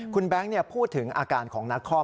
คุณแบงค์พูดถึงอาการของนักคอม